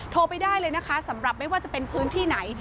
โทรไปได้เลยนะคะสำหรับไม่ว่าจะเป็นพื้นที่ไหน